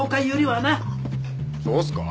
そうっすか？